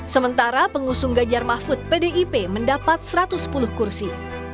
sementara pengusung ganjar mahfud pdip mendapat satu ratus sepuluh kursi